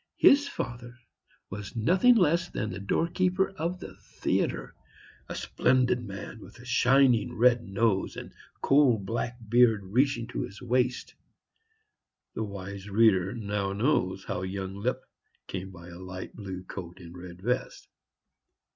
His father was nothing less than the doorkeeper of the theatre; a splendid man with a shining red nose and coal black beard reaching to his waist. The wise reader now knows how young Lipp came by a light blue coat and red vest.